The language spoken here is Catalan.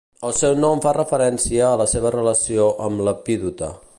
El seu nom fa referència a la seva relació amb l'epidota.